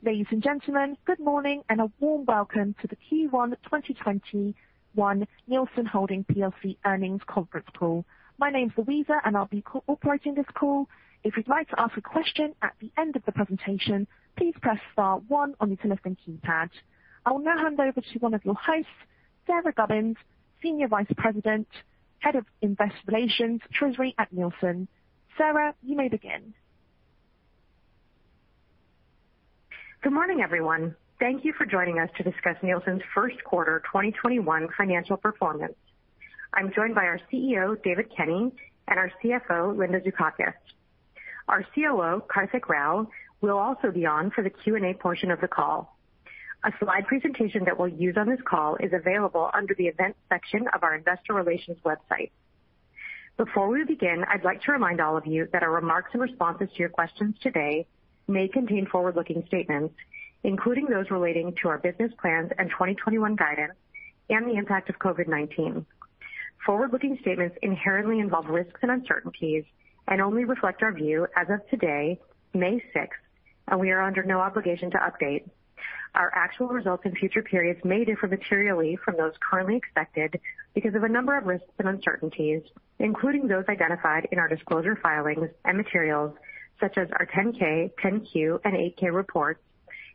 Ladies and gentlemen, good morning, a warm welcome to the Q1 2021 Nielsen Holdings PLC earnings conference call. My name's Louisa, and I'll be Co-Operating this call. If you'd like to ask a question at the end of the presentation, please press star one on your telephone keypad. I will now hand over to one of your hosts, Sara Gubins, Senior Vice President, Head of Investor Relations, Treasury at Nielsen. Sara, you may begin. Good morning, everyone. Thank you for joining us to discuss Nielsen's first quarter 2021 financial performance. I'm joined by our CEO, David Kenny, and our CFO, Linda Zukauckas. Our COO, Karthik Rao, will also be on for the Q&A portion of the call. A slide presentation that we'll use on this call is available under the Events section of our investor relations website. Before we begin, I'd like to remind all of you that our remarks and responses to your questions today may contain forward-looking statements, including those relating to our business plans and 2021 guidance and the impact of COVID-19. Forward-looking statements inherently involve risks and uncertainties and only reflect our view as of today, May 6th, and we are under no obligation to update. Our actual results in future periods may differ materially from those currently expected because of a number of risks and uncertainties, including those identified in our disclosure filings and materials such as our 10-K, 10-Q, and 8-K reports,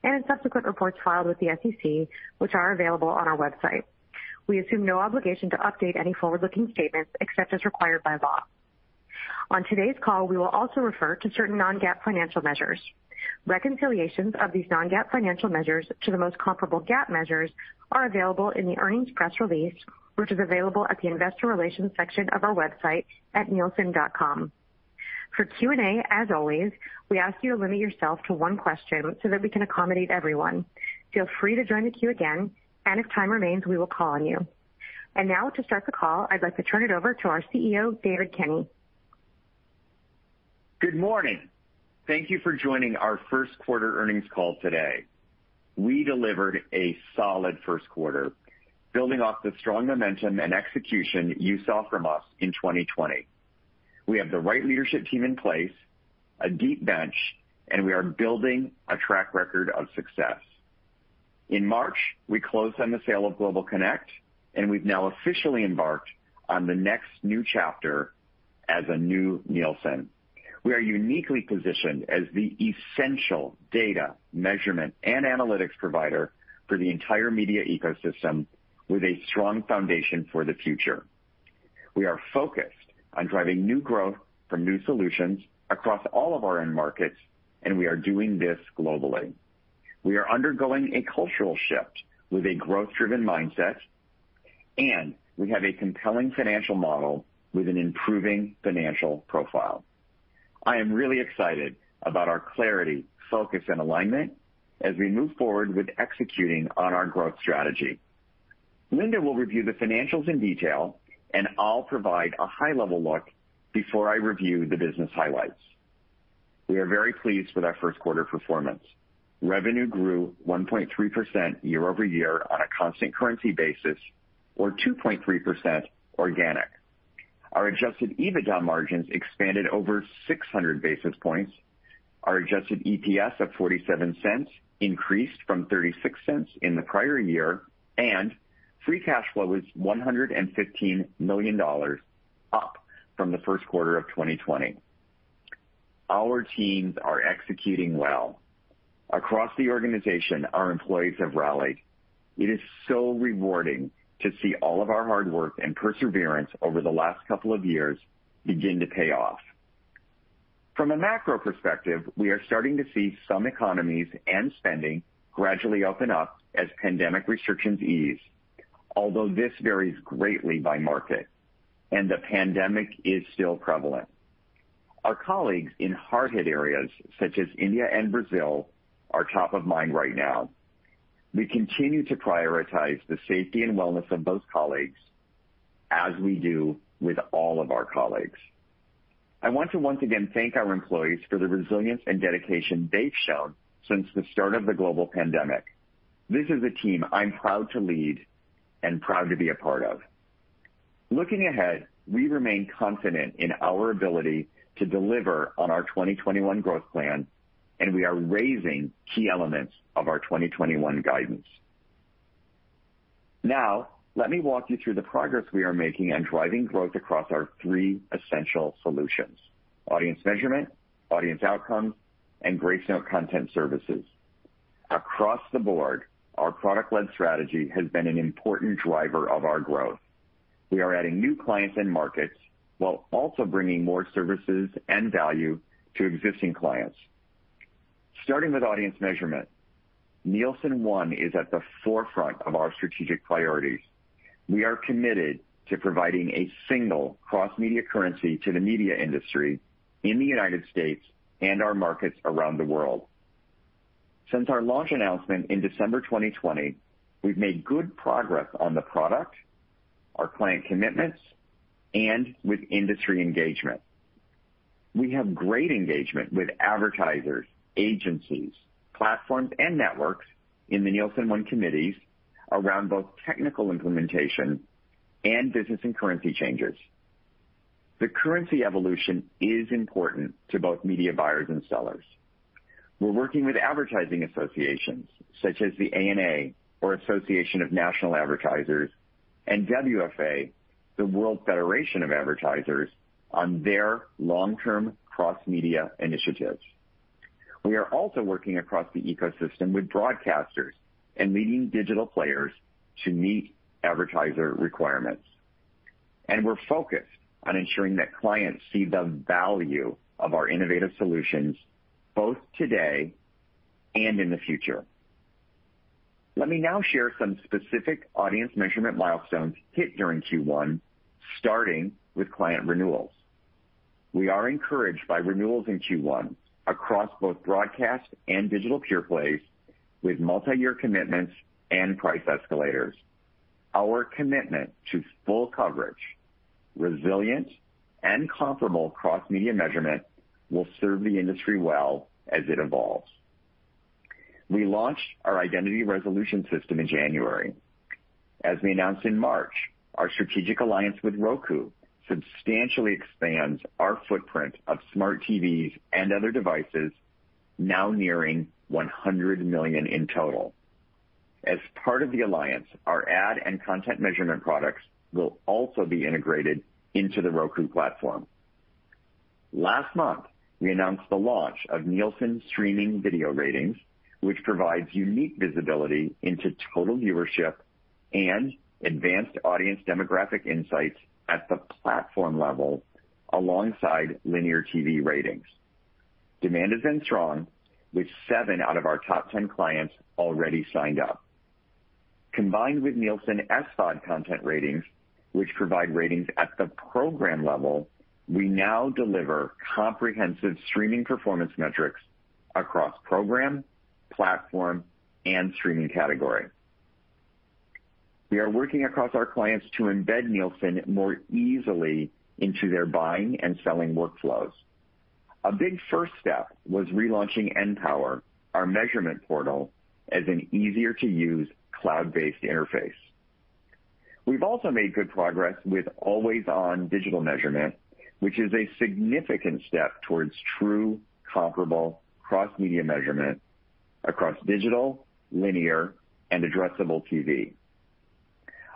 and in subsequent reports filed with the SEC, which are available on our website. We assume no obligation to update any forward-looking statements except as required by law. On today's call, we will also refer to certain non-GAAP financial measures. Reconciliations of these non-GAAP financial measures to the most comparable GAAP measures are available in the earnings press release, which is available at the investor relations section of our website at nielsen.com. For Q&A, as always, we ask you to limit yourself to one question so that we can accommodate everyone. Feel free to join the queue again, and if time remains, we will call on you. Now, to start the call, I'd like to turn it over to our CEO, David Kenny. Good morning. Thank you for joining our first quarter earnings call today. We delivered a solid first quarter, building off the strong momentum and execution you saw from us in 2020. We have the right leadership team in place, a deep bench, and we are building a track record of success. In March, we closed on the sale of Global Connect, and we've now officially embarked on the next new chapter as a new Nielsen. We are uniquely positioned as the essential data measurement and analytics provider for the entire media ecosystem with a strong foundation for the future. We are focused on driving new growth from new solutions across all of our end markets, and we are doing this globally. We are undergoing a cultural shift with a growth-driven mindset, and we have a compelling financial model with an improving financial profile. I am really excited about our clarity, focus, and alignment as we move forward with executing on our growth strategy. Linda will review the financials in detail, and I'll provide a high-level look before I review the business highlights. We are very pleased with our first quarter performance. Revenue grew 1.3% year-over-year on a constant currency basis, or 2.3% organic. Our Adjusted EBITDA margins expanded over 600 basis points. Our Adjusted EPS of $0.47 increased from $0.36 in the prior year, and free cash flow is $115 million, up from the first quarter of 2020. Our teams are executing well. Across the organization, our employees have rallied. It is so rewarding to see all of our hard work and perseverance over the last couple of years begin to pay off. From a macro perspective, we are starting to see some economies and spending gradually open up as pandemic restrictions ease, although this varies greatly by market, and the pandemic is still prevalent. Our colleagues in hard-hit areas such as India and Brazil are top of mind right now. We continue to prioritize the safety and wellness of those colleagues as we do with all of our colleagues. I want to once again thank our employees for the resilience and dedication they've shown since the start of the global pandemic. This is a team I'm proud to lead and proud to be a part of. Looking ahead, we remain confident in our ability to deliver on our 2021 growth plan, and we are raising key elements of our 2021 guidance. Let me walk you through the progress we are making on driving growth across our three essential solutions, Audience Measurement, Audience Outcomes, and Gracenote Content Services. Across the board, our product-led strategy has been an important driver of our growth. We are adding new clients and markets while also bringing more services and value to existing clients. Starting with Audience Measurement, Nielsen ONE is at the forefront of our strategic priorities. We are committed to providing a single cross-media currency to the media industry in the United States and our markets around the world. Since our launch announcement in December 2020, we've made good progress on the product, our client commitments, and with industry engagement. We have great engagement with advertisers, agencies, platforms, and networks in the Nielsen ONE committees around both technical implementation and business and currency changes. The currency evolution is important to both media buyers and sellers. We're working with advertising associations such as the ANA, or Association of National Advertisers, and WFA, the World Federation of Advertisers, on their long-term cross-media initiatives. We are also working across the ecosystem with broadcasters and leading digital players to meet advertiser requirements. We're focused on ensuring that clients see the value of our innovative solutions both today and in the future. Let me now share some specific audience measurement milestones hit during Q1, starting with client renewals. We are encouraged by renewals in Q1 across both broadcast and digital pure plays with multi-year commitments and price escalators. Our commitment to full coverage, resilient and comparable cross-media measurement will serve the industry well as it evolves. We launched our identity resolution system in January. As we announced in March, our strategic alliance with Roku substantially expands our footprint of smart TVs and other devices now nearing 100 million in total. As part of the alliance, our ad and content measurement products will also be integrated into the Roku platform. Last month, we announced the launch of Nielsen Streaming Video Ratings, which provides unique visibility into total viewership and advanced audience demographic insights at the platform level alongside linear TV ratings. Demand has been strong, with seven out of our top 10 clients already signed up. Combined with Nielsen SVOD Content Ratings, which provide ratings at the program level, we now deliver comprehensive streaming performance metrics across program, platform, and streaming category. We are working across our clients to embed Nielsen more easily into their buying and selling workflows. A big first step was relaunching NPOWER, our measurement portal, as an easier-to-use cloud-based interface. We've also made good progress with always-on digital measurement, which is a significant step towards true comparable cross-media measurement across digital, linear, and addressable TV.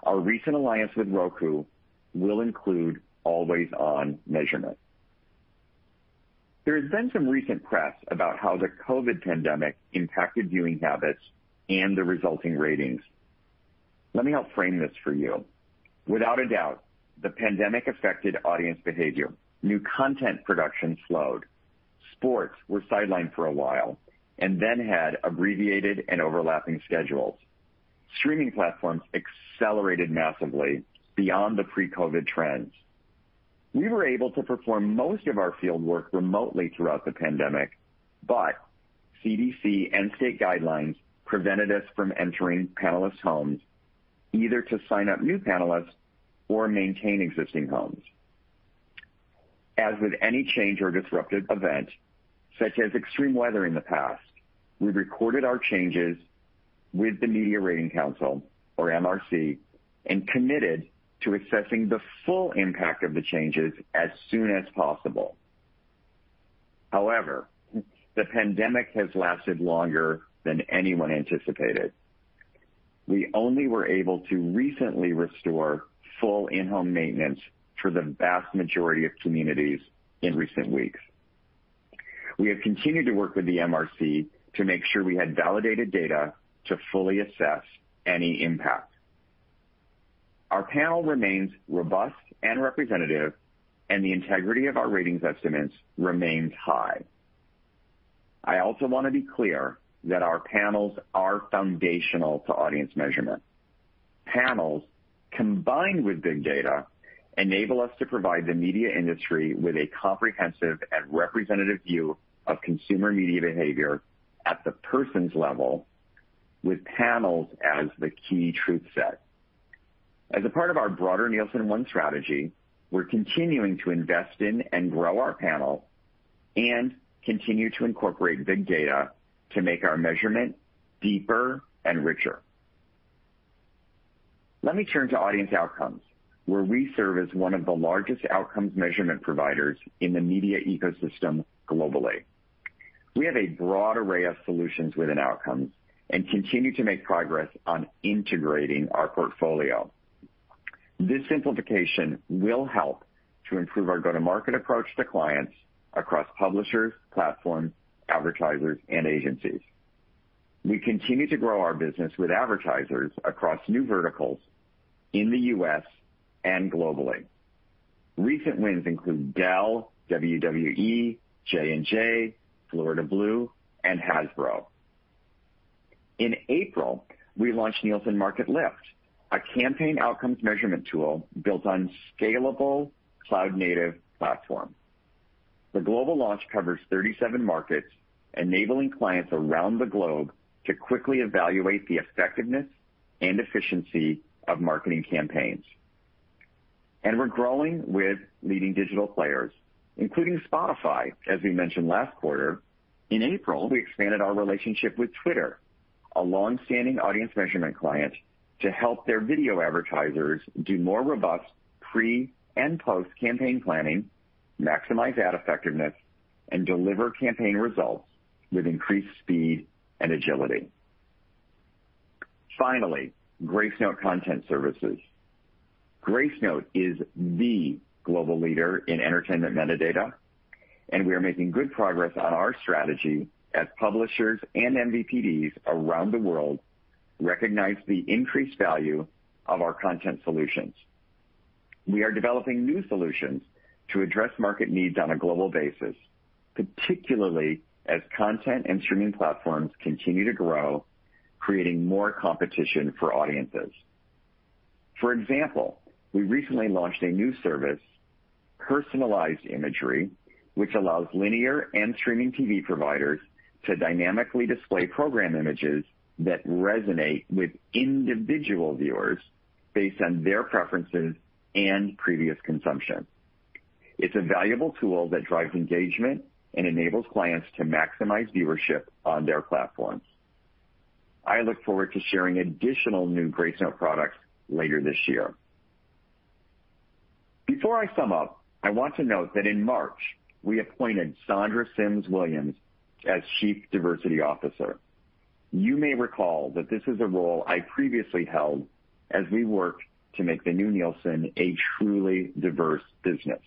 Our recent alliance with Roku will include always-on measurement. There has been some recent press about how the COVID pandemic impacted viewing habits and the resulting ratings. Let me help frame this for you. Without a doubt, the pandemic affected audience behavior. New content production slowed, sports were sidelined for a while, and then had abbreviated and overlapping schedules. Streaming platforms accelerated massively beyond the pre-COVID trends. We were able to perform most of our fieldwork remotely throughout the pandemic, but CDC and state guidelines prevented us from entering panelists' homes, either to sign up new panelists or maintain existing homes. As with any change or disruptive event, such as extreme weather in the past, we recorded our changes with the Media Rating Council, or MRC, and committed to assessing the full impact of the changes as soon as possible. The pandemic has lasted longer than anyone anticipated. We only were able to recently restore full in-home maintenance for the vast majority of communities in recent weeks. We have continued to work with the MRC to make sure we had validated data to fully assess any impact. Our panel remains robust and representative, and the integrity of our ratings estimates remains high. I also want to be clear that our panels are foundational to audience measurement. Panels, combined with big data, enable us to provide the media industry with a comprehensive and representative view of consumer media behavior at the person's level with panels as the key truth set. As a part of our broader Nielsen ONE strategy, we're continuing to invest in and grow our panel and continue to incorporate big data to make our measurement deeper and richer. Let me turn to audience outcomes, where we serve as one of the largest outcomes measurement providers in the media ecosystem globally. We have a broad array of solutions within outcomes and continue to make progress on integrating our portfolio. This simplification will help to improve our go-to-market approach to clients across publishers, platforms, advertisers, and agencies. We continue to grow our business with advertisers across new verticals in the U.S. and globally. Recent wins include Dell, WWE, J&J, Florida Blue, and Hasbro. In April, we launched Nielsen Market Lift, a campaign outcomes measurement tool built on scalable cloud-native platform. The global launch covers 37 markets, enabling clients around the globe to quickly evaluate the effectiveness and efficiency of marketing campaigns. We're growing with leading digital players, including Spotify, as we mentioned last quarter. In April, we expanded our relationship with Twitter, a longstanding audience measurement client to help their video advertisers do more robust pre- and post-campaign planning, maximize ad effectiveness, and deliver campaign results with increased speed and agility. Finally, Gracenote Content Services. Gracenote is the global leader in entertainment metadata, and we are making good progress on our strategy as publishers and MVPDs around the world recognize the increased value of our content solutions. We are developing new solutions to address market needs on a global basis, particularly as content and streaming platforms continue to grow, creating more competition for audiences. For example, we recently launched a new service, Personalized Imagery, which allows linear and streaming TV providers to dynamically display program images that resonate with individual viewers based on their preferences and previous consumption. It's a valuable tool that drives engagement and enables clients to maximize viewership on their platforms. I look forward to sharing additional new Gracenote products later this year. Before I sum up, I want to note that in March, we appointed Sandra Sims-Williams as Chief Diversity Officer. You may recall that this is a role I previously held as we worked to make the new Nielsen a truly diverse business.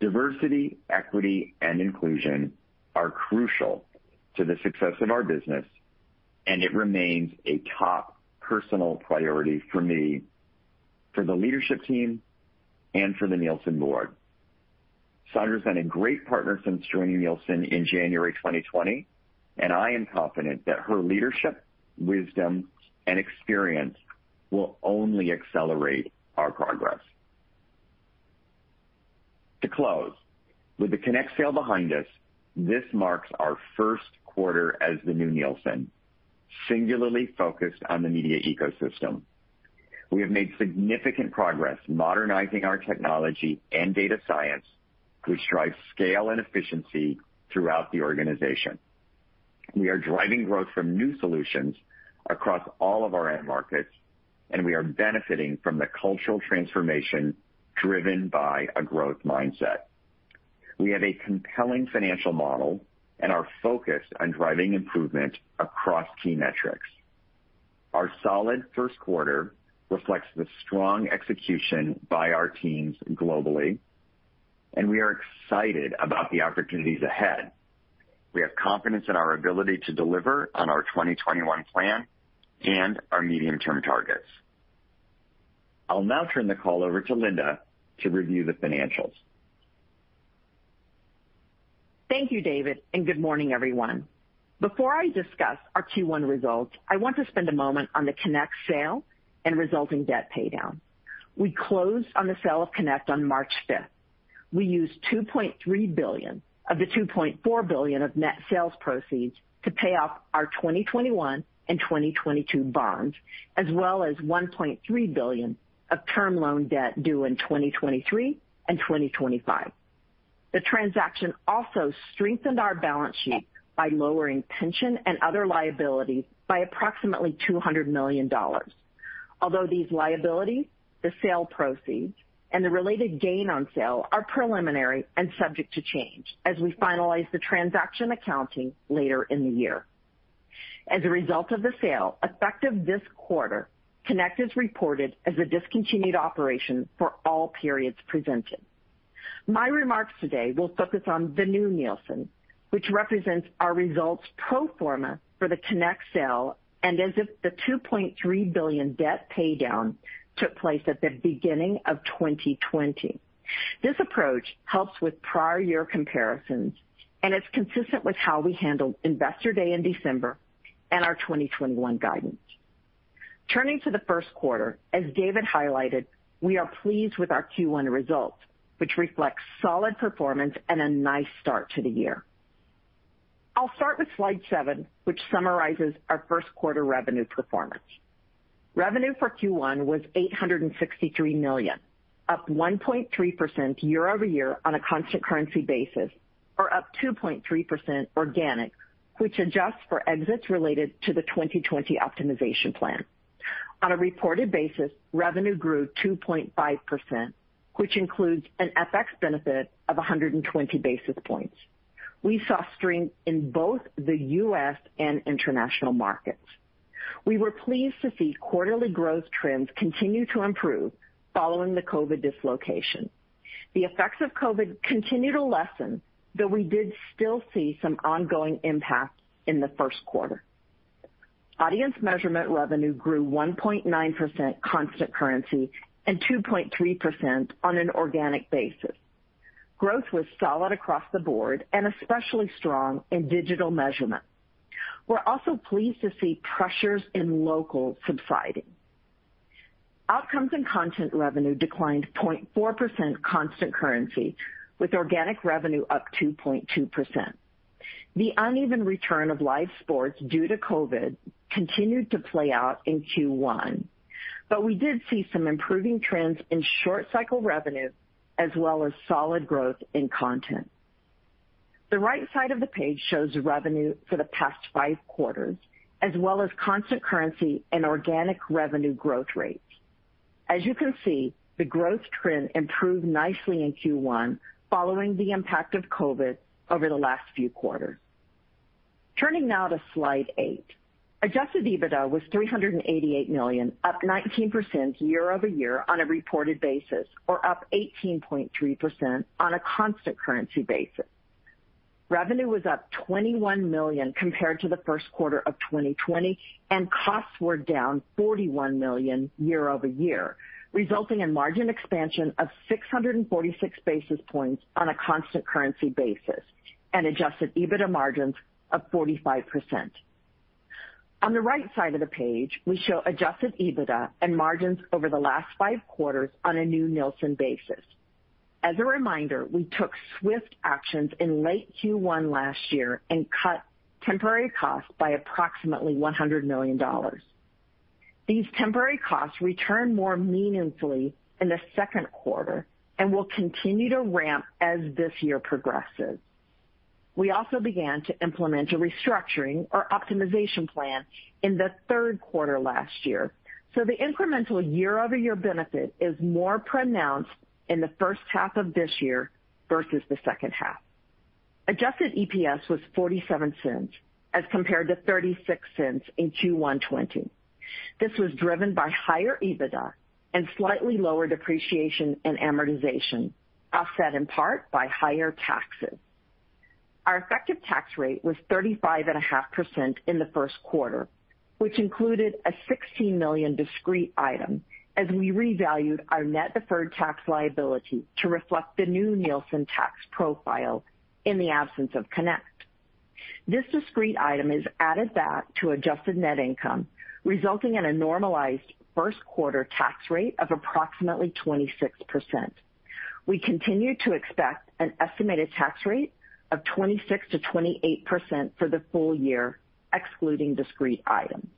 Diversity, equity, and inclusion are crucial to the success of our business, and it remains a top personal priority for me, for the leadership team, and for the Nielsen board. Sandra's been a great partner since joining Nielsen in January 2020, and I am confident that her leadership, wisdom, and experience will only accelerate our progress. To close, with the Connect sale behind us, this marks our first quarter as the new Nielsen, singularly focused on the media ecosystem. We have made significant progress modernizing our technology and data science, which drives scale and efficiency throughout the organization. We are driving growth from new solutions across all of our end markets, and we are benefiting from the cultural transformation driven by a growth mindset. We have a compelling financial model and are focused on driving improvement across key metrics. Our solid first quarter reflects the strong execution by our teams globally, and we are excited about the opportunities ahead. We have confidence in our ability to deliver on our 2021 plan and our medium-term targets. I'll now turn the call over to Linda to review the financials. Thank you, David, good morning, everyone. Before I discuss our Q1 results, I want to spend a moment on the Connect sale and resulting debt paydown. We closed on the sale of Connect on March 5th. We used $2.3 billion of the $2.4 billion of net sales proceeds to pay off our 2021 and 2022 bonds, as well as $1.3 billion of term loan debt due in 2023 and 2025. The transaction also strengthened our balance sheet by lowering pension and other liabilities by approximately $200 million. These liabilities, the sale proceeds, and the related gain on sale are preliminary and subject to change as we finalize the transaction accounting later in the year. As a result of the sale, effective this quarter, Connect is reported as a discontinued operation for all periods presented. My remarks today will focus on the new Nielsen, which represents our results pro forma for the Connect sale as if the $2.3 billion debt paydown took place at the beginning of 2020. This approach helps with prior year comparisons. It's consistent with how we handled Investor Day in December and our 2021 guidance. Turning to the first quarter, as David highlighted, we are pleased with our Q1 results, which reflects solid performance and a nice start to the year. I'll start with slide seven, which summarizes our first quarter revenue performance. Revenue for Q1 was $863 million, up 1.3% year-over-year on a constant currency basis, or up 2.3% organic, which adjusts for exits related to the 2020 optimization plan. On a reported basis, revenue grew 2.5%, which includes an FX benefit of 120 basis points. We saw strength in both the U.S. and international markets. We were pleased to see quarterly growth trends continue to improve following the COVID dislocation. The effects of COVID continue to lessen, though we did still see some ongoing impact in the first quarter. Audience measurement revenue grew 1.9% constant currency and 2.3% on an organic basis. Growth was solid across the board and especially strong in digital measurement. We're also pleased to see pressures in local subsiding. Outcomes and content revenue declined 0.4% constant currency, with organic revenue up 2.2%. The uneven return of live sports due to COVID continued to play out in Q1. We did see some improving trends in short-cycle revenue, as well as solid growth in content. The right side of the page shows revenue for the past five quarters, as well as constant currency and organic revenue growth rates. As you can see, the growth trend improved nicely in Q1 following the impact of COVID over the last few quarters. Turning now to Slide eight. Adjusted EBITDA was $388 million, up 19% year-over-year on a reported basis, or up 18.3% on a constant currency basis. Revenue was up $21 million compared to the first quarter of 2020, and costs were down $41 million year-over-year, resulting in margin expansion of 646 basis points on a constant currency basis and Adjusted EBITDA margins of 45%. On the right side of the page, we show Adjusted EBITDA and margins over the last five quarters on a new Nielsen basis. As a reminder, we took swift actions in late Q1 last year and cut temporary costs by approximately $100 million. These temporary costs return more meaningfully in the second quarter and will continue to ramp as this year progressive. We also began to implement a restructuring or optimization plan in the third quarter last year. The incremental year-over-year benefit is more pronounced in the first half of this year versus the second half. Adjusted EPS was $0.47 as compared to $0.36 in Q1 2020. This was driven by higher EBITDA and slightly lower depreciation and amortization, offset in part by higher taxes. Our effective tax rate was 35.5% in the first quarter, which included a $16 million discrete item as we revalued our net deferred tax liability to reflect the new Nielsen tax profile in the absence of Connect. This discrete item is added back to adjusted net income, resulting in a normalized first quarter tax rate of approximately 26%. We continue to expect an estimated tax rate of 26%-28% for the full year, excluding discrete items.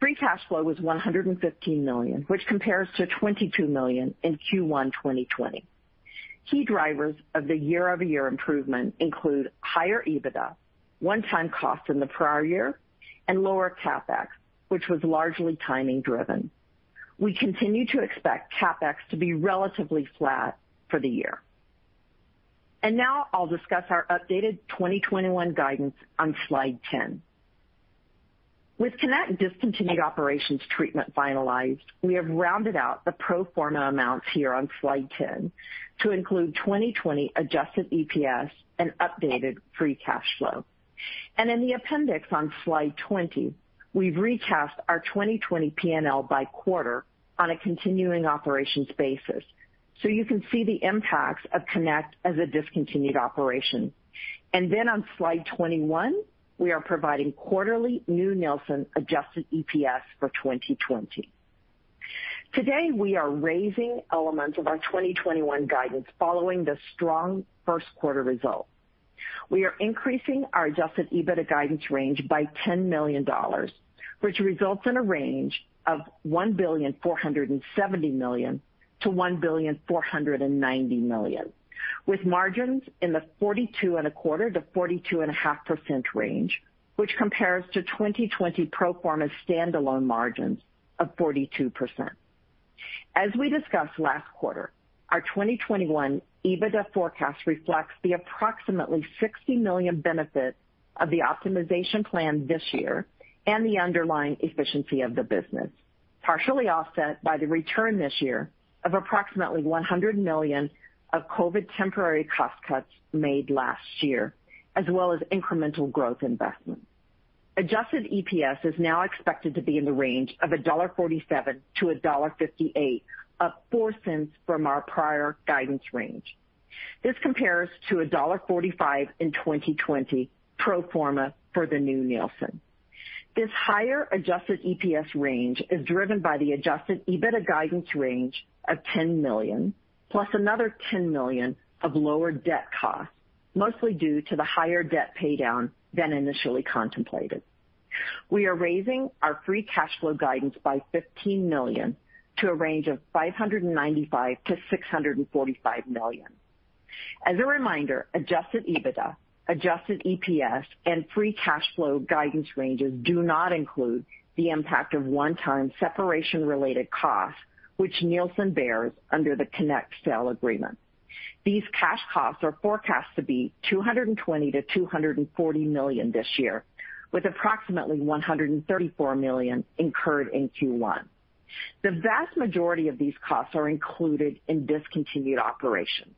Free cash flow was $115 million, which compares to $22 million in Q1 2020. Key drivers of the year-over-year improvement include higher EBITDA, one-time costs in the prior year, and lower CapEx, which was largely timing-driven. We continue to expect CapEx to be relatively flat for the year. Now I'll discuss our updated 2021 guidance on Slide 10. With Connect discontinued operations treatment finalized, we have rounded out the pro forma amounts here on Slide 10 to include 2020 Adjusted EPS and updated free cash flow. In the appendix on Slide 20, we've recast our 2020 P&L by quarter on a continuing operations basis so you can see the impacts of Connect as a discontinued operation. On Slide 21, we are providing quarterly new Nielsen Adjusted EPS for 2020. Today, we are raising elements of our 2021 guidance following the strong first quarter results. We are increasing our Adjusted EBITDA guidance range by $10 million, which results in a range of $1.47 billion-$1.49 billion, with margins in the 42.25%-42.5% range, which compares to 2020 pro forma standalone margins of 42%. As we discussed last quarter, our 2021 EBITDA forecast reflects the approximately $60 million benefit of the optimization plan this year and the underlying efficiency of the business, partially offset by the return this year of approximately $100 million of COVID temporary cost cuts made last year, as well as incremental growth investments. Adjusted EPS is now expected to be in the range of $1.47-$1.58, up $0.04 from our prior guidance range. This compares to $1.45 in 2020 pro forma for the new Nielsen. This higher Adjusted EPS range is driven by the Adjusted EBITDA guidance range of $10 million, plus another $10 million of lower debt costs, mostly due to the higher debt paydown than initially contemplated. We are raising our free cash flow guidance by $15 million to a range of $595 million-$645 million. As a reminder, Adjusted EBITDA, Adjusted EPS, and free cash flow guidance ranges do not include the impact of one-time separation-related costs, which Nielsen bears under the Connect Sale Agreement. These cash costs are forecast to be $220 million-$240 million this year, with approximately $134 million incurred in Q1. The vast majority of these costs are included in discontinued operations.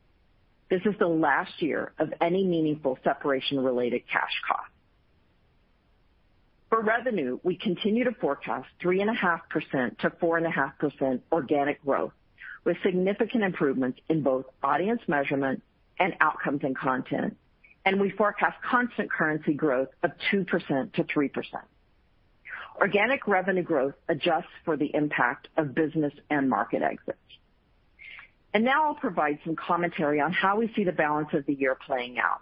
This is the last year of any meaningful separation-related cash costs. For revenue, we continue to forecast 3.5%-4.5% organic growth, with significant improvements in both audience measurement and outcomes and content. We forecast constant currency growth of 2%-3%. Organic revenue growth adjusts for the impact of business and market exits. Now I'll provide some commentary on how we see the balance of the year playing out.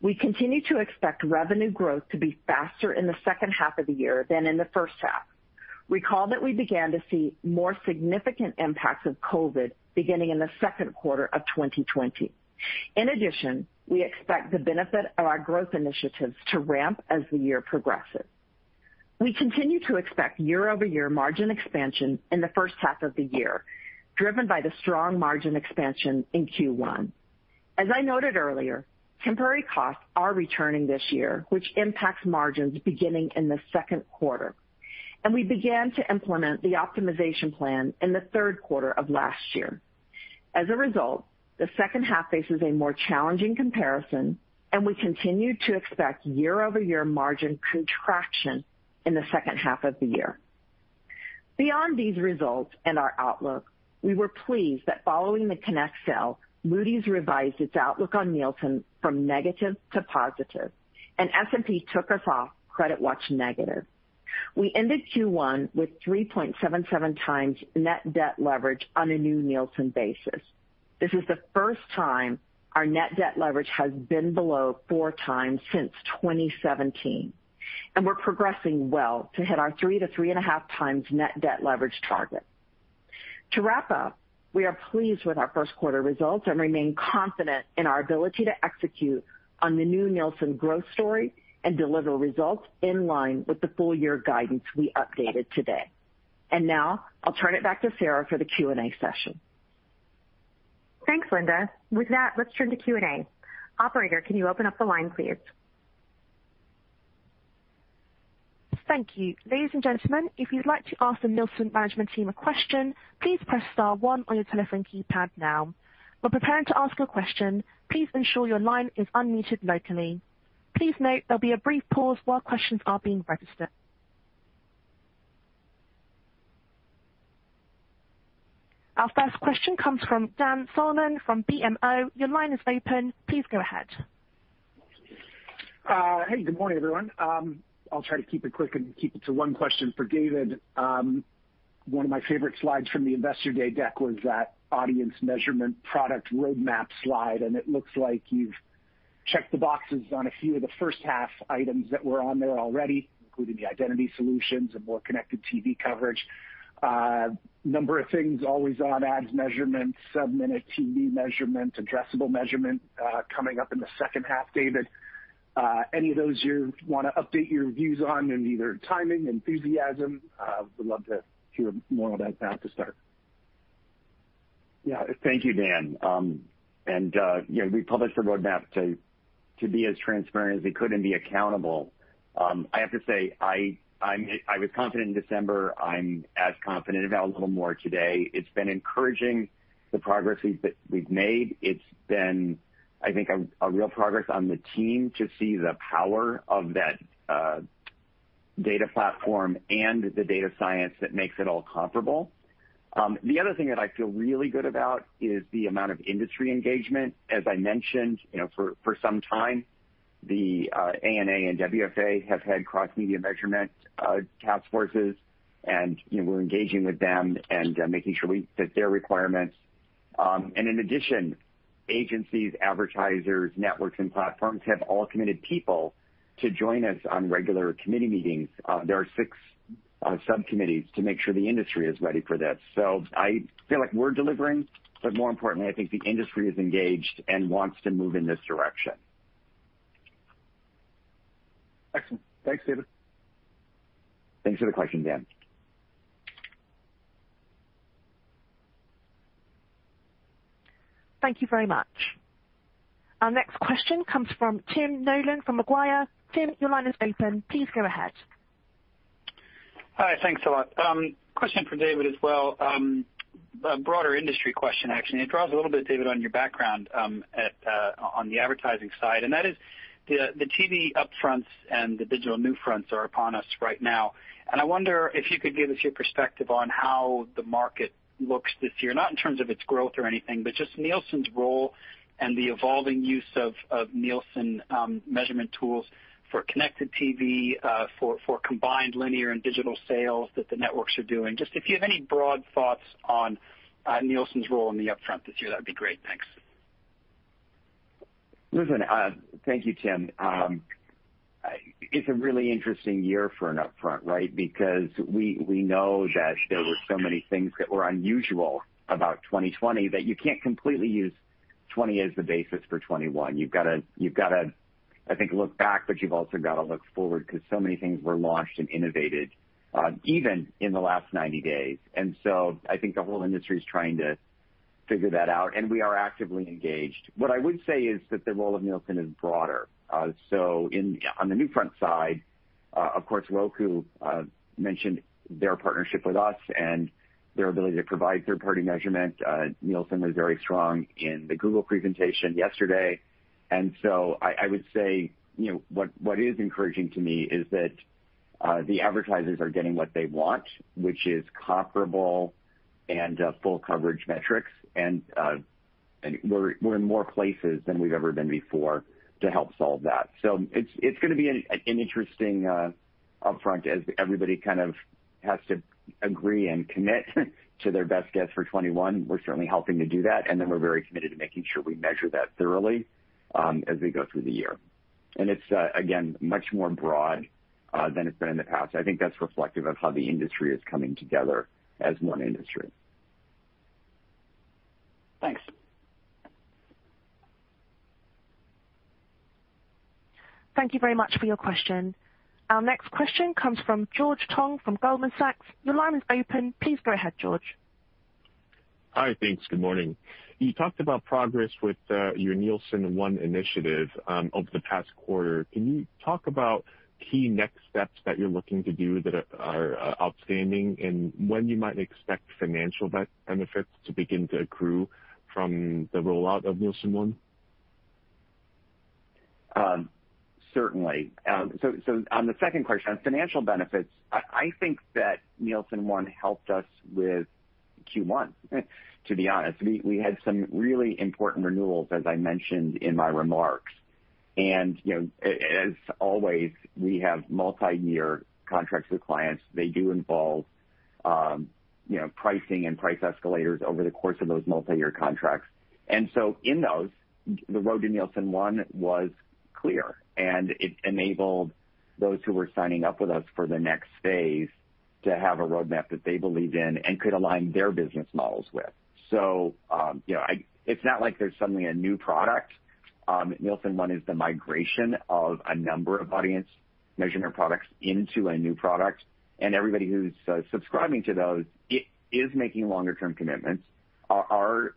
We continue to expect revenue growth to be faster in the second half of the year than in the first half. Recall that we began to see more significant impacts of COVID beginning in the second quarter of 2020. In addition, we expect the benefit of our growth initiatives to ramp as the year progresses. We continue to expect year-over-year margin expansion in the first half of the year, driven by the strong margin expansion in Q1. As I noted earlier, temporary costs are returning this year, which impacts margins beginning in the second quarter, and we began to implement the optimization plan in the third quarter of last year. As a result, the second half faces a more challenging comparison, and we continue to expect year-over-year margin contraction in the second half of the year. Beyond these results and our outlook, we were pleased that following the Connect sale, Moody's revised its outlook on Nielsen from negative to positive, and S&P took us off credit watch negative. We ended Q1 with 3.77x net debt leverage on a new Nielsen basis. This is the first time our net debt leverage has been below 4x since 2017, and we're progressing well to hit our 3x-3.5x net debt leverage target. To wrap up, we are pleased with our first quarter results and remain confident in our ability to execute on the new Nielsen growth story and deliver results in line with the full year guidance we updated today. Now I'll turn it back to Sara for the Q&A session. Thanks, Linda. With that, let's turn to Q&A. Operator, can you open up the line, please? Thank you. Ladies and gentlemen, if you'd like to ask the Nielsen management team a question, please press star one on your telephone keypad now. When preparing to ask a question, please ensure your line is unmuted locally. Please note there will be a brief pause while questions are being registered. Our first question comes from Dan Salmon from BMO. Your line is open. Please go ahead. Hey, good morning, everyone. I'll try to keep it quick and keep it to one question for David. One of my favorite slides from the Investor Day deck was that audience measurement product roadmap slide. It looks like you've checked the boxes on a few of the first half items that were on there already, including the identity solutions and more connected TV coverage. A number of things, always-on ads measurements, sub-minute TV measurement, addressable measurement, coming up in the second half, David. Any of those you want to update your views on in either timing, enthusiasm? Would love to hear more on that now to start. Yeah. Thank you, Dan. We published the roadmap to be as transparent as we could and be accountable. I have to say, I was confident in December. I'm as confident, if not a little more, today. It's been encouraging, the progress that we've made. It's been, I think, a real progress on the team to see the power of that data platform and the data science that makes it all comparable. The other thing that I feel really good about is the amount of industry engagement. As I mentioned, for some time, the ANA and WFA have had cross-media measurement task forces, and we're engaging with them and making sure we fit their requirements. In addition, agencies, advertisers, networks, and platforms have all committed people to join us on regular committee meetings. There are six subcommittees to make sure the industry is ready for this. I feel like we're delivering, but more importantly, I think the industry is engaged and wants to move in this direction. Excellent. Thanks, David. Thanks for the question, Dan. Thank you very much. Our next question comes from Tim Nollen from Macquarie. Tim, your line is open. Please go ahead. Hi. Thanks a lot. Question for David as well. A broader industry question, actually. It draws a little bit, David, on your background on the advertising side, and that is the TV upfronts and the digital NewFronts are upon us right now, and I wonder if you could give us your perspective on how the market looks this year, not in terms of its growth or anything, but just Nielsen's role and the evolving use of Nielsen measurement tools for connected TV, for combined linear and digital sales that the networks are doing. Just if you have any broad thoughts on Nielsen's role in the upfront this year, that'd be great. Thanks. Thank you, Tim. It's a really interesting year for an upfront, right? We know that there were so many things that were unusual about 2020 that you can't completely use 2020 as the basis for 2021. You've got to, I think, look back, but you've also got to look forward because so many things were launched and innovated, even in the last 90 days. I think the whole industry is trying to figure that out, and we are actively engaged. What I would say is that the role of Nielsen is broader. On the NewFront side, of course, Roku mentioned their partnership with us and their ability to provide third-party measurement. Nielsen was very strong in the Google presentation yesterday. I would say what is encouraging to me is that the advertisers are getting what they want, which is comparable and full coverage metrics. We're in more places than we've ever been before to help solve that. It's going to be an interesting upfront as everybody kind of has to agree and commit to their best guess for 2021. We're certainly helping to do that. We're very committed to making sure we measure that thoroughly as we go through the year. It's, again, much more broad than it's been in the past. I think that's reflective of how the industry is coming together as one industry. Thanks. Thank you very much for your question. Our next question comes from George Tong from Goldman Sachs. Your line is open. Please go ahead, George. Hi. Thanks. Good morning. You talked about progress with your Nielsen ONE initiative over the past quarter. Can you talk about key next steps that you're looking to do that are outstanding and when you might expect financial benefits to begin to accrue from the rollout of Nielsen ONE? Certainly. On the second question, on financial benefits, I think that Nielsen ONE helped us with Q1, to be honest. We had some really important renewals, as I mentioned in my remarks. As always, we have multi-year contracts with clients. They do involve pricing and price escalators over the course of those multi-year contracts. In those, the road to Nielsen ONE was clear, and it enabled those who were signing up with us for the next phase to have a roadmap that they believed in and could align their business models with. It's not like there's suddenly a new product. Nielsen ONE is the migration of a number of audience measurement products into a new product, and everybody who's subscribing to those is making longer term commitments, are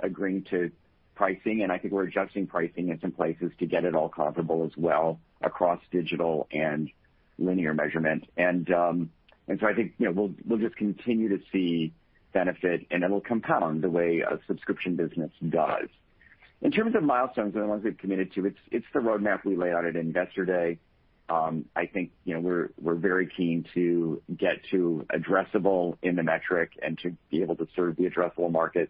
agreeing to pricing, and I think we're adjusting pricing in some places to get it all comparable as well across digital and linear measurement. I think we'll just continue to see benefit, and it'll compound the way a subscription business does. In terms of milestones and the ones we've committed to, it's the roadmap we laid out at Investor Day. I think we're very keen to get to addressable in the metric and to be able to serve the addressable market.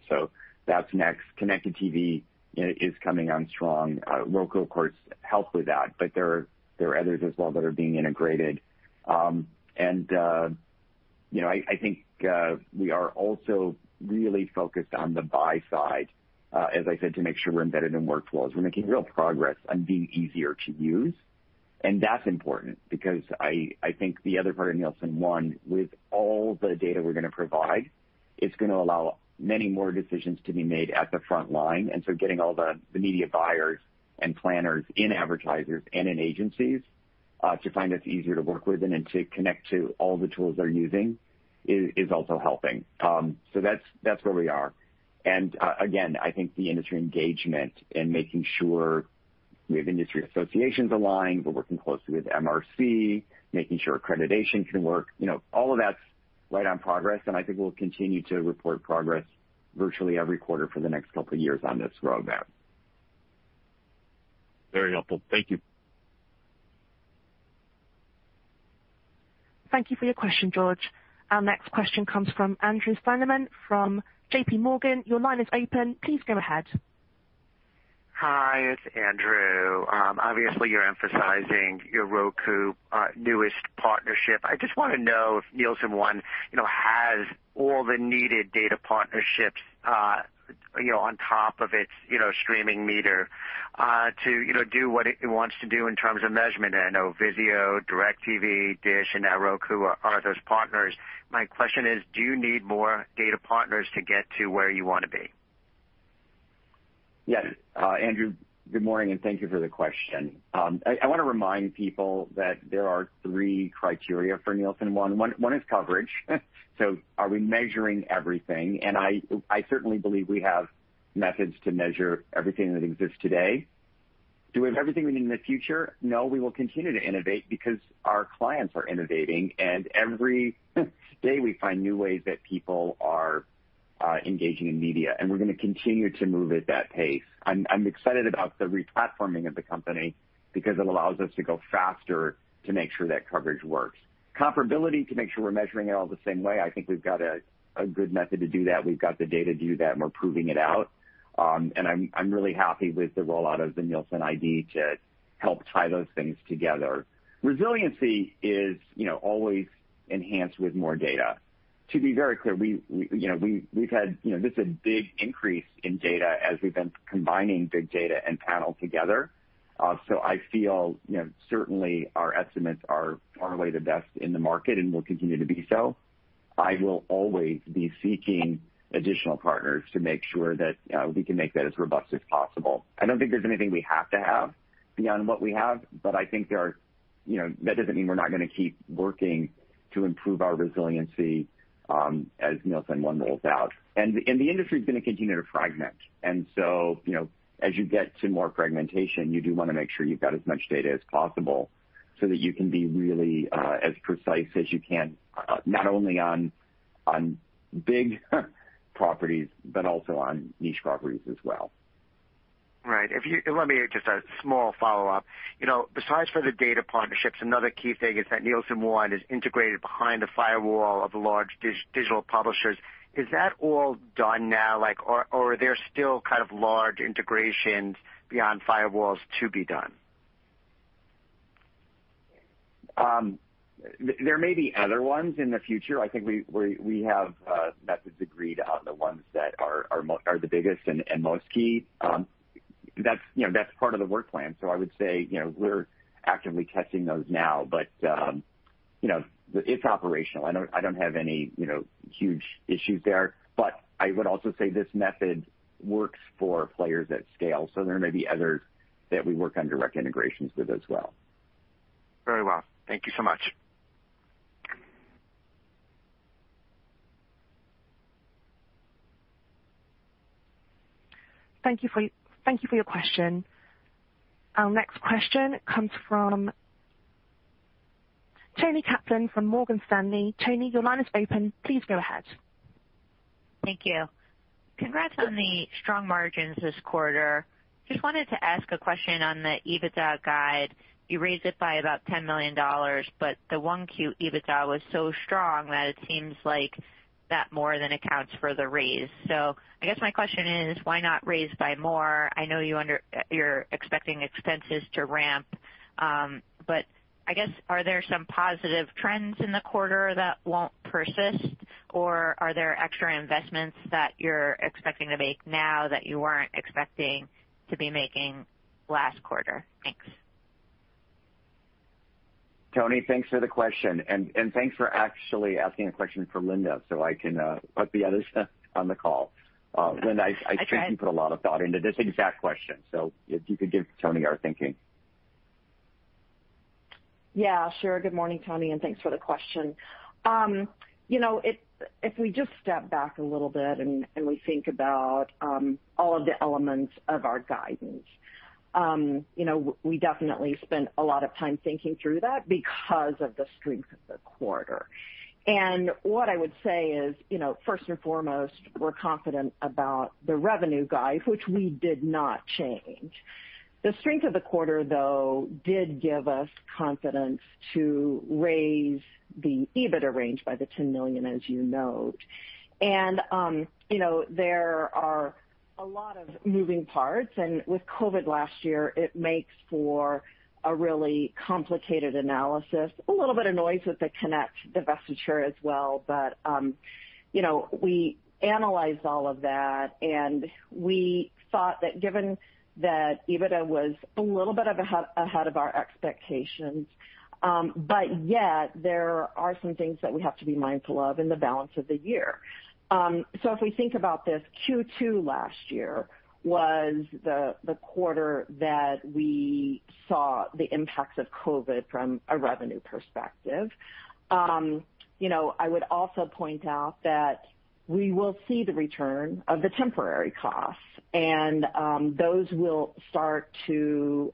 That's next. Connected TV is coming on strong. Roku, of course, helped with that, but there are others as well that are being integrated. I think we are also really focused on the buy side, as I said, to make sure we're embedded in workflows. We're making real progress on being easier to use, and that's important because I think the other part of Nielsen ONE, with all the data we're going to provide, it's going to allow many more decisions to be made at the front line. Getting all the media buyers and planners in advertisers and in agencies to find us easier to work with and to connect to all the tools they're using is also helping. That's where we are. Again, I think the industry engagement and making sure we have industry associations aligned, we're working closely with MRC, making sure accreditation can work. All of that's right on progress, and I think we'll continue to report progress virtually every quarter for the next couple of years on this roadmap. Very helpful. Thank you. Thank you for your question, George. Our next question comes from Andrew Steinerman from JPMorgan. Your line is open. Please go ahead. Hi, it's Andrew. Obviously, you're emphasizing your Roku newest partnership. I just want to know if Nielsen ONE has all the needed data partnerships on top of its streaming meter, to do what it wants to do in terms of measurement. I know VIZIO, DIRECTV, DISH, and now Roku are those partners. My question is, do you need more data partners to get to where you want to be? Yes. Hi, Andrew, good morning, and thank thank you for the question. I want to remind people that there are three criteria for Nielsen ONE. One is coverage. Are we measuring everything? I certainly believe we have methods to measure everything that exists today. Do we have everything we need in the future? No, we will continue to innovate because our clients are innovating, and every day, we find new ways that people are engaging in media, and we're going to continue to move at that pace. I'm excited about the re-platforming of the company because it allows us to go faster to make sure that coverage works. Comparability, to make sure we're measuring it all the same way. I think we've got a good method to do that. We've got the data to do that, and we're proving it out. I'm really happy with the rollout of the Nielsen ID to help tie those things together. Resiliency is always enhanced with more data. To be very clear, this is a big increase in data as we've been combining big data and panel together. I feel certainly our estimates are way the best in the market and will continue to be so. I will always be seeking additional partners to make sure that we can make that as robust as possible. I don't think there's anything we have to have beyond what we have, but I think that doesn't mean we're not going to keep working to improve our resiliency as Nielsen ONE rolls out. The industry's going to continue to fragment. As you get to more fragmentation, you do want to make sure you've got as much data as possible so that you can be really as precise as you can, not only on big properties, but also on niche properties as well. Right. Just a small follow-up. Besides for the data partnerships, another key thing is that Nielsen ONE is integrated behind the firewall of large digital publishers. Is that all done now? Are there still large integrations beyond firewalls to be done? There may be other ones in the future. I think we have methods agreed on the ones that are the biggest and most key. That's part of the work plan. I would say, we're actively testing those now. It's operational. I don't have any huge issues there. I would also say this method works for players at scale, so there may be others that we work on direct integrations with as well. Very well. Thank you so much. Thank you for your question. Our next question comes from Toni Kaplan from Morgan Stanley. Toni, your line is open. Please go ahead. Thank you. Congrats on the strong margins this quarter. Just wanted to ask a question on the EBITDA guide. You raised it by about $10 million, but the 1Q EBITDA was so strong that it seems like that more than accounts for the raise. I guess my question is, why not raise by more? I know you're expecting expenses to ramp. I guess, are there some positive trends in the quarter that won't persist, or are there extra investments that you're expecting to make now that you weren't expecting to be making last quarter? Thanks. Toni, thanks for the question, and thanks for actually asking a question for Linda so I can put the others on the call. I tried. Linda, I think you put a lot of thought into this exact question, so if you could give Toni our thinking. Yeah, sure. Good morning, Toni, and thanks for the question. If we just step back a little bit and we think about all of the elements of our guidance, we definitely spent a lot of time thinking through that because of the strength of the quarter. What I would say is, first and foremost, we're confident about the revenue guide, which we did not change. The strength of the quarter, though, did give us confidence to raise the EBITDA range by the $10 million, as you note. There are a lot of moving parts, and with COVID last year, it makes for a really complicated analysis. A little bit of noise with the Connect divestiture as well, but we analyzed all of that, and we thought that given that EBITDA was a little bit ahead of our expectations, but yet there are some things that we have to be mindful of in the balance of the year. If we think about this, Q2 last year was the quarter that we saw the impacts of COVID from a revenue perspective. I would also point out that we will see the return of the temporary costs, and those will start to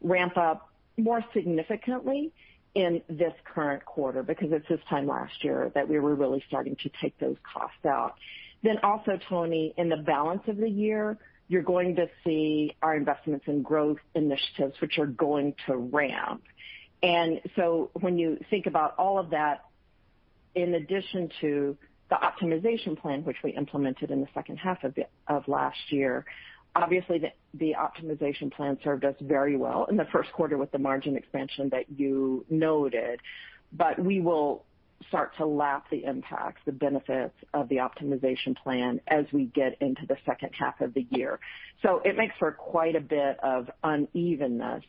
ramp up more significantly in this current quarter because it's this time last year that we were really starting to take those costs out. Also, Toni, in the balance of the year, you're going to see our investments in growth initiatives, which are going to ramp. When you think about all of that, in addition to the optimization plan which we implemented in the second half of last year, obviously, the optimization plan served us very well in the first quarter with the margin expansion that you noted. We will start to lap the impacts, the benefits of the optimization plan as we get into the second half of the year. It makes for quite a bit of unevenness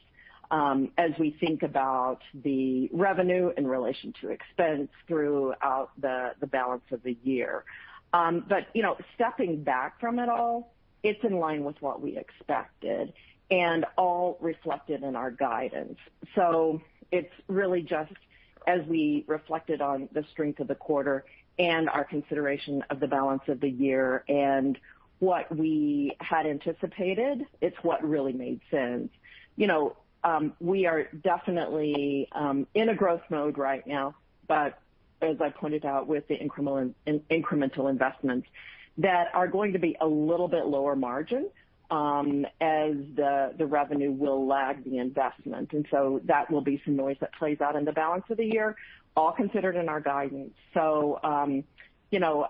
as we think about the revenue in relation to expense throughout the balance of the year. Stepping back from it all, it's in line with what we expected and all reflected in our guidance. It's really just as we reflected on the strength of the quarter and our consideration of the balance of the year and what we had anticipated, it's what really made sense. We are definitely in a growth mode right now, but as I pointed out with the incremental investments that are going to be a little bit lower margin as the revenue will lag the investment. That will be some noise that plays out in the balance of the year, all considered in our guidance.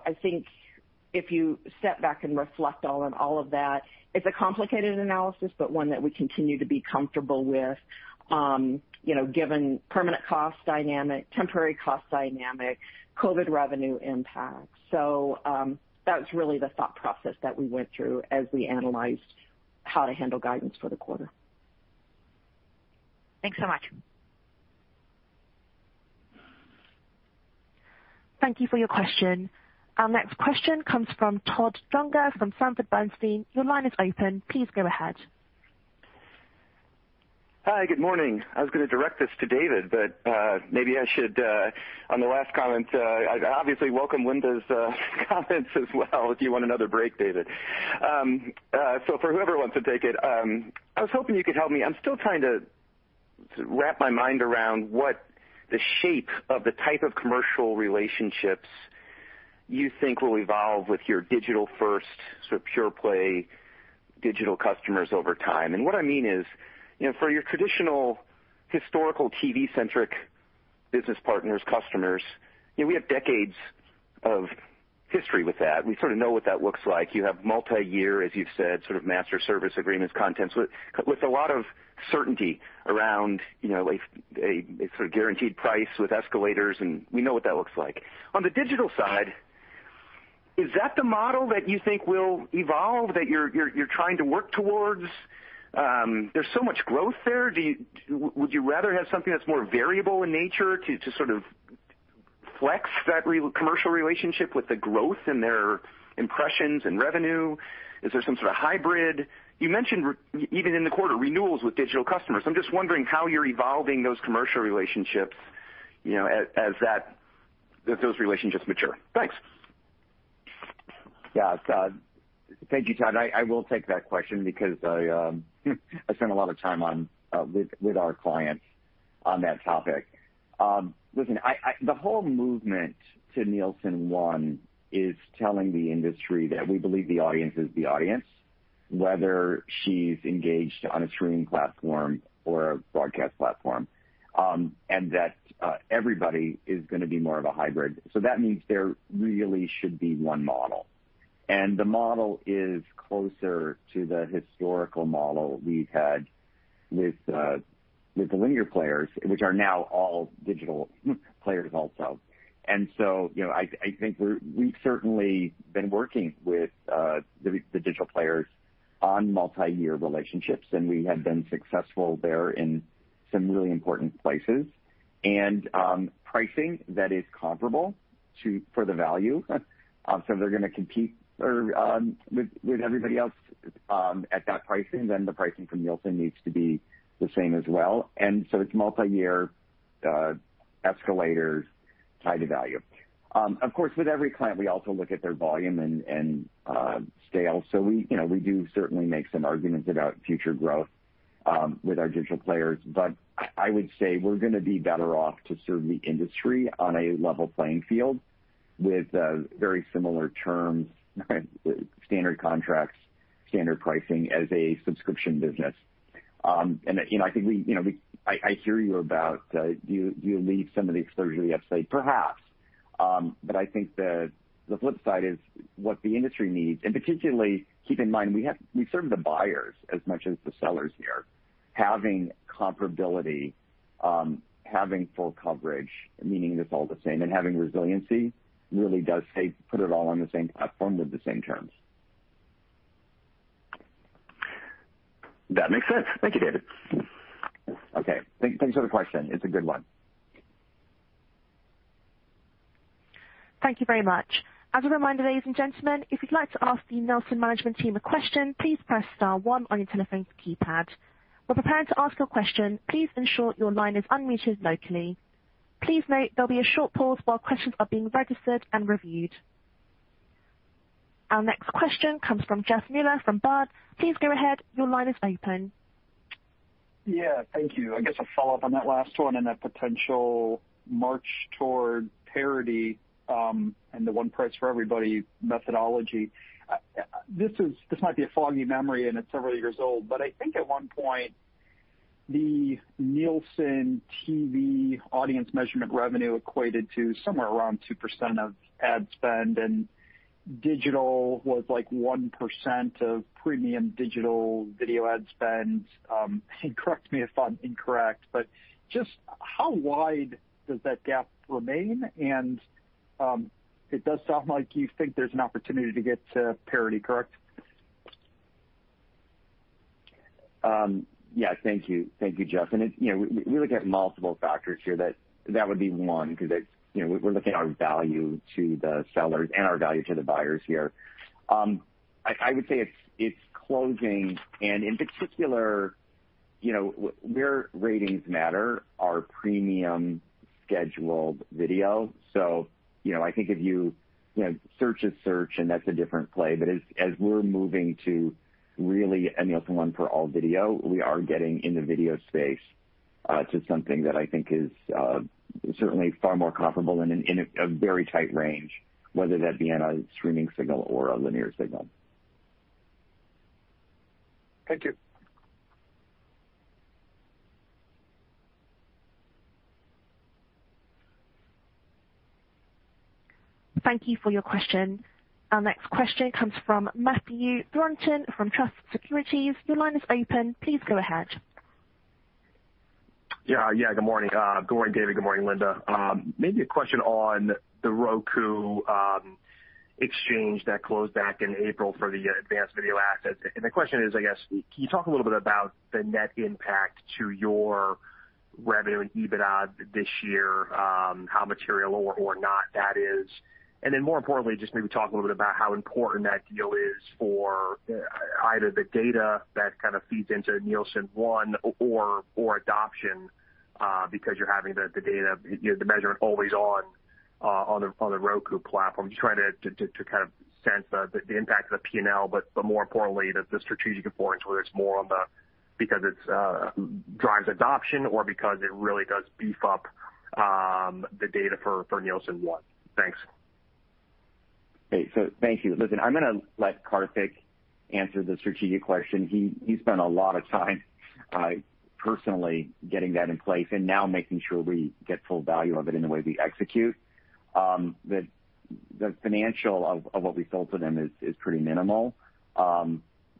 I think if you step back and reflect on all of that, it's a complicated analysis, but one that we continue to be comfortable with given permanent cost dynamic, temporary cost dynamic, COVID revenue impact. That's really the thought process that we went through as we analyzed how to handle guidance for the quarter. Thanks so much. Thank you for your question. Our next question comes from Todd Juenger from Sanford Bernstein. Your line is open. Please go ahead. Hi, good morning. I was going to direct this to David, but maybe I should, on the last comment, I obviously welcome Linda's comments as well if you want another break, David. For whoever wants to take it, I was hoping you could help me. I'm still trying to wrap my mind around what the shape of the type of commercial relationships you think will evolve with your digital-first pure play digital customers over time? What I mean is, for your traditional historical TV-centric business partners, customers, we have decades of history with that. We sort of know what that looks like. You have multi-year, as you've said, master service agreements, content with a lot of certainty around a guaranteed price with escalators, and we know what that looks like. On the digital side, is that the model that you think will evolve, that you're trying to work towards? There's so much growth there. Would you rather have something that's more variable in nature to sort of flex that commercial relationship with the growth in their impressions and revenue? Is there some sort of hybrid? You mentioned, even in the quarter, renewals with digital customers. I'm just wondering how you're evolving those commercial relationships as those relationships mature. Thanks. Yeah. Todd. Thank you, Todd. I will take that question because I spend a lot of time with our clients on that topic. Listen, the whole movement to Nielsen ONE is telling the industry that we believe the audience is the audience, whether she's engaged on a streaming platform or a broadcast platform, and that everybody is going to be more of a hybrid. That means there really should be one model, and the model is closer to the historical model we've had with the linear players, which are now all digital players also. I think we've certainly been working with the digital players on multi-year relationships, and we have been successful there in some really important places. Pricing that is comparable for the value. They're going to compete with everybody else at that pricing, then the pricing from Nielsen needs to be the same as well. It's multi-year escalators tied to value. Of course, with every client, we also look at their volume and scale. We do certainly make some arguments about future growth with our digital players. I would say we're going to be better off to serve the industry on a level playing field with very similar terms, standard contracts, standard pricing as a subscription business. I hear you about, do you leave some of the exposure to the upside? Perhaps. I think the flip side is what the industry needs. Particularly, keep in mind, we serve the buyers as much as the sellers here. Having comparability, having full coverage, meaning it's all the same, and having resiliency really does put it all on the same platform with the same terms. That makes sense. Thank you, David. Okay. Thanks for the question. It's a good one. Thank you very much. Our next question comes from Jeff Meuler from Baird. Please go ahead. Your line is open. Yeah. Thank you. I guess a follow-up on that last one and that potential march toward parity and the one price for everybody methodology. This might be a foggy memory, and it's several years old, but I think at one point, the Nielsen TV audience measurement revenue equated to somewhere around 2% of ad spend, and digital was like 1% of premium digital video ad spend. Correct me if I'm incorrect, but just how wide does that gap remain? It does sound like you think there's an opportunity to get to parity, correct? Thank you. Thank you, Jeff. We look at multiple factors here. That would be one, because we're looking at our value to the sellers and our value to the buyers here. I would say it's closing and in particular, where ratings matter are premium scheduled video. I think search is search, and that's a different play. As we're moving to really a Nielsen ONE for all video, we are getting in the video space to something that I think is certainly far more comparable and in a very tight range, whether that be on a streaming signal or a linear signal. Thank you. Thank you for your question. Our next question comes from Matthew Thornton from Truist Securities. Your line is open. Please go ahead. Yeah. Good morning, David. Good morning, Linda. Maybe a question on the Roku exchange that closed back in April for the advanced video assets. The question is, I guess, can you talk a little bit about the net impact to your revenue and EBITDA this year, how material or not that is? Then more importantly, just maybe talk a little bit about how important that deal is for either the data that kind of feeds into Nielsen ONE or adoption because you're having the data, the measurement always on the Roku platform. Just trying to kind of sense the impact of the P&L, but more importantly, the strategic importance, whether it's because it drives adoption or because it really does beef up the data for Nielsen ONE? Thanks. Hey, thank you. Listen, I'm going to let Karthik answer the strategic question. He spent a lot of time personally getting that in place and now making sure we get full value of it in the way we execute. The financial of what we sold to them is pretty minimal. I'll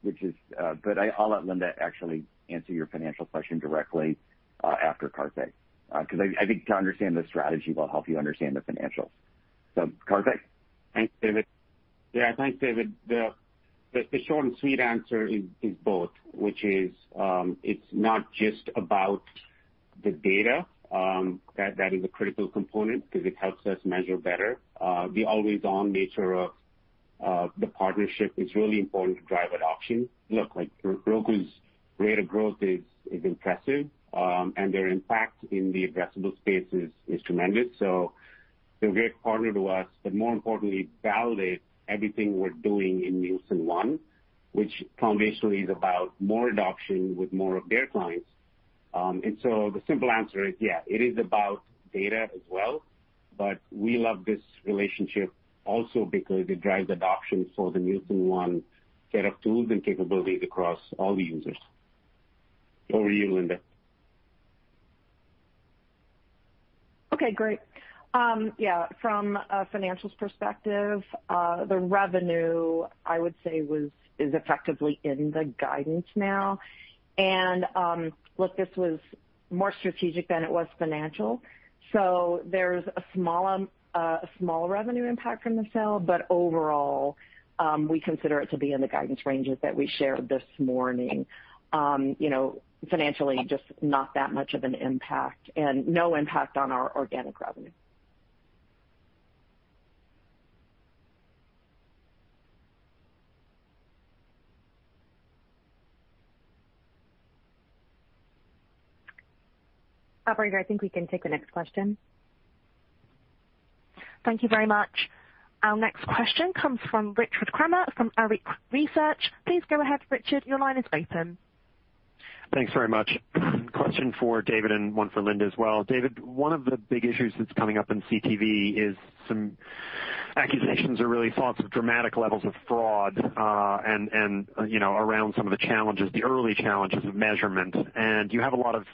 let Linda actually answer your financial question directly after Karthik, because I think to understand the strategy will help you understand the financials. Karthik. Thanks, David. Thanks, David. The short and sweet answer is both, which is, it's not just about the data. That is a critical component because it helps us measure better. The always-on nature of the partnership is really important to drive adoption. Look, Roku's rate of growth is impressive, and their impact in the addressable space is tremendous. They're a great partner to us, but more importantly, validate everything we're doing in Nielsen ONE, which foundationally is about more adoption with more of their clients. The simple answer is, yeah, it is about data as well. We love this relationship also because it drives adoption for the Nielsen ONE set of tools and capabilities across all the users. Over to you, Linda. Okay, great. Yeah, from a financials perspective, the revenue I would say is effectively in the guidance now. Look, this was more strategic than it was financial. There's a small revenue impact from the sale, but overall, we consider it to be in the guidance ranges that we shared this morning. Financially, just not that much of an impact and no impact on our organic revenue. Operator, I think we can take the next question. Thank you very much. Our next question comes from Richard Kramer from Arete Research. Please go ahead, Richard. Your line is open. Thanks very much. Question for David and one for Linda as well. David, one of the big issues that's coming up in CTV is some accusations or really thoughts of dramatic levels of fraud, around some of the challenges, the early challenges of measurement. You have a lot of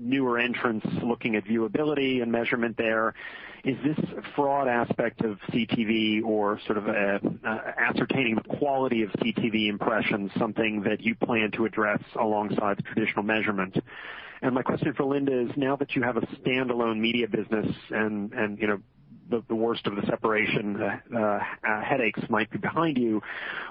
newer entrants looking at viewability and measurement there. Is this fraud aspect of CTV or sort of ascertaining the quality of CTV impressions something that you plan to address alongside traditional measurement? My question for Linda is, now that you have a standalone media business and the worst of the separation headaches might be behind you,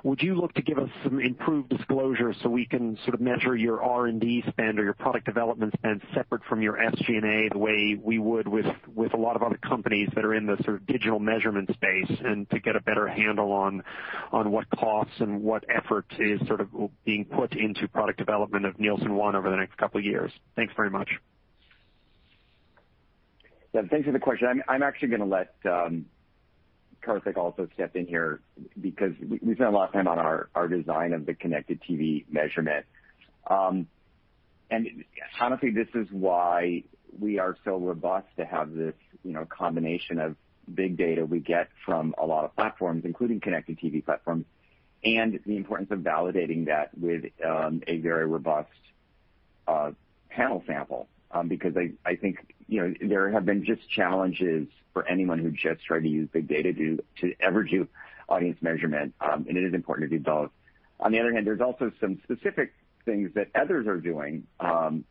would you look to give us some improved disclosure so we can sort of measure your R&D spend or your product development spend separate from your SG&A the way we would with a lot of other companies that are in the sort of digital measurement space and to get a better handle on what costs and what effort is sort of being put into product development of Nielsen ONE over the next couple of years? Thanks very much. Yeah, thanks for the question. I'm actually going to let Karthik also step in here because we spent a lot of time on our design of the connected TV measurement. Honestly, this is why we are so robust to have this combination of big data we get from a lot of platforms, including connected TV platforms, and the importance of validating that with a very robust panel sample. I think there have been just challenges for anyone who just tried to use big data to ever do audience measurement, and it is important to do both. On the other hand, there's also some specific things that others are doing, and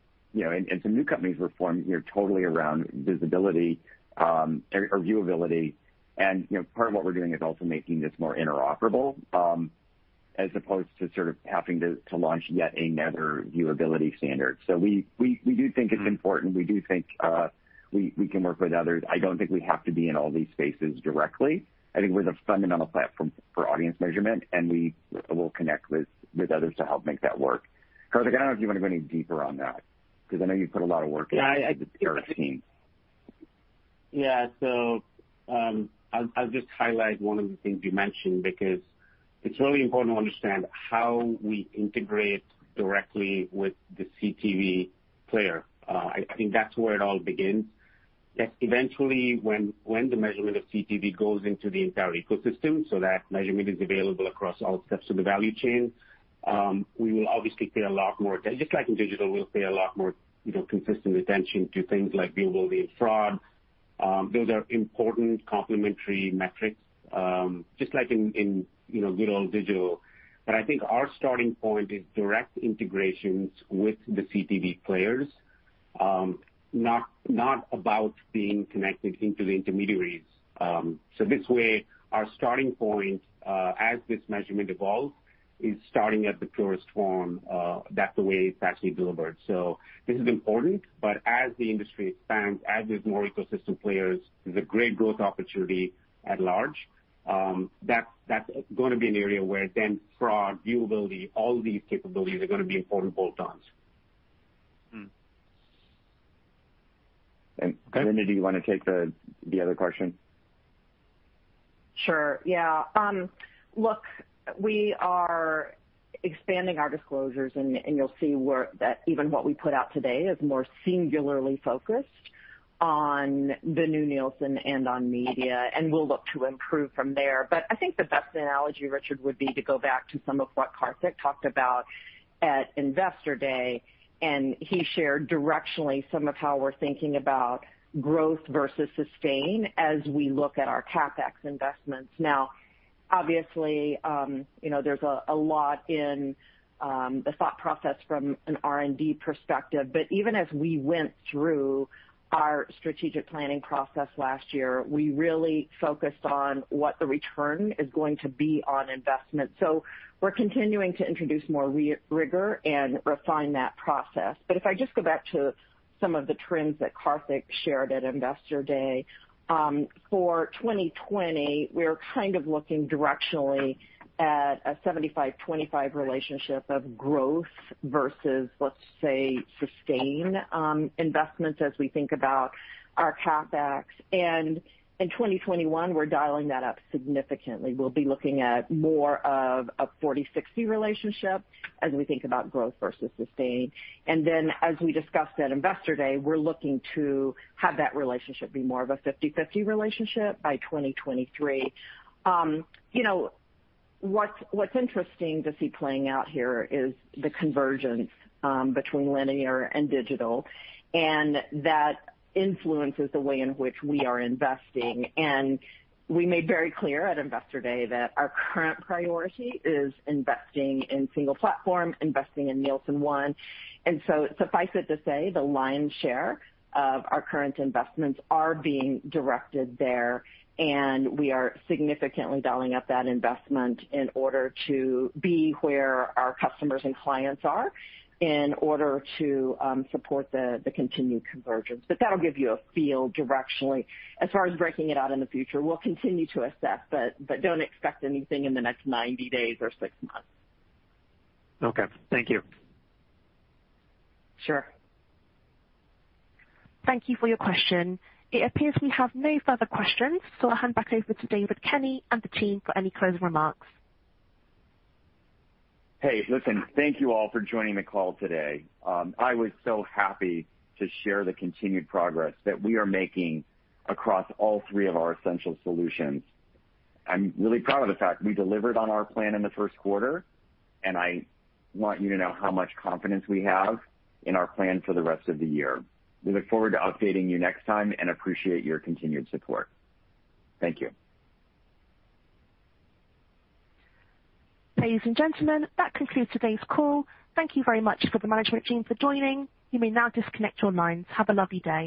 some new companies were formed totally around visibility or viewability. Part of what we're doing is also making this more interoperable, as opposed to sort of having to launch yet another viewability standard. We do think it's important. We do think we can work with others. I don't think we have to be in all these spaces directly. I think we're the fundamental platform for audience measurement, and we will connect with others to help make that work. Karthik, I don't know if you want to go any deeper on that, because I know you put a lot of work in with the Roku team. Yeah. I'll just highlight one of the things you mentioned, because it's really important to understand how we integrate directly with the CTV player. I think that's where it all begins. Eventually when the measurement of CTV goes into the entire ecosystem so that measurement is available across all steps of the value chain, we will obviously pay a lot more attention. Just like in digital, we'll pay a lot more consistent attention to things like viewability and fraud. Those are important complementary metrics, just like in good old digital. I think our starting point is direct integrations with the CTV players, not about being connected into the intermediaries. This way, our starting point, as this measurement evolves, is starting at the purest form. That's the way it's actually delivered. This is important, but as the industry expands, as there's more ecosystem players, there's a great growth opportunity at large. That's going to be an area where then fraud, viewability, all these capabilities are going to be important bolt-ons. Mm-hmm. Linda, do you want to take the other question? Sure. Yeah. Look, we are expanding our disclosures, and you'll see that even what we put out today is more singularly focused on the new Nielsen and on media, and we'll look to improve from there. I think the best analogy, Richard, would be to go back to some of what Karthik talked about at Investor Day, and he shared directionally some of how we're thinking about growth versus sustain as we look at our CapEx investments. Now, obviously, there's a lot in the thought process from an R&D perspective, but even as we went through our strategic planning process last year, we really focused on what the return is going to be on investment. We're continuing to introduce more rigor and refine that process. If I just go back to some of the trends that Karthik shared at Investor Day, for 2020, we're kind of looking directionally at a 75/25 relationship of growth versus, let's say, sustain investments as we think about our CapEx. In 2021, we're dialing that up significantly. We'll be looking at more of a 40/60 relationship as we think about growth versus sustain. As we discussed at Investor Day, we're looking to have that relationship be more of a 50/50 relationship by 2023. What's interesting to see playing out here is the convergence between linear and digital, and that influences the way in which we are investing. We made very clear at Investor Day that our current priority is investing in single platform, investing in Nielsen ONE. Suffice it to say, the lion's share of our current investments are being directed there, and we are significantly dialing up that investment in order to be where our customers and clients are, in order to support the continued convergence. That'll give you a feel directionally. As far as breaking it out in the future, we'll continue to assess, but don't expect anything in the next 90 days or six months. Okay. Thank you. Sure. Thank you for your question. It appears we have no further questions. I'll hand back over to David Kenny and the team for any closing remarks. Hey, listen, thank you all for joining the call today. I was so happy to share the continued progress that we are making across all three of our essential solutions. I'm really proud of the fact we delivered on our plan in the first quarter, and I want you to know how much confidence we have in our plan for the rest of the year. We look forward to updating you next time and appreciate your continued support. Thank you. Ladies and gentlemen, that concludes today's call. Thank you very much for the management team for joining. You may now disconnect your lines. Have a lovely day.